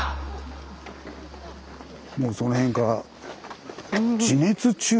もうその辺から。